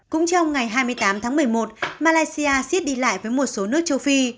cũng trong ngày hai mươi tám tháng một mươi một malaysia siết đi lại với một số nước châu phi